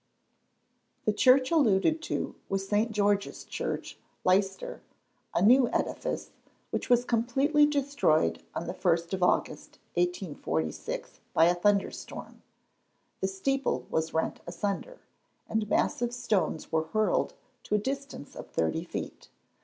] The church alluded to was St. George's church, Leicester, a new edifice, which was completely destroyed on the 1st of August, 1846, by a thunder storm. The steeple was rent asunder, and massive stones were hurled to a distance of thirty feet.